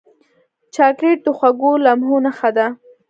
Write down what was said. چاکلېټ د خوږو لمحو نښه ده.